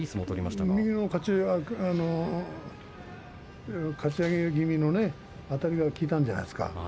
右のかち上げあたりが効いたんじゃないですか。